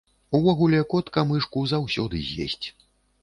Увогуле, котка мышку заўсёды з'есць.